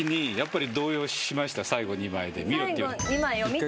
最後２枚で見ろって。